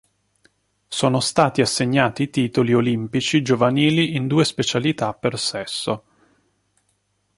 Sono stati assegnati i titoli olimpici giovanili in due specialità per sesso.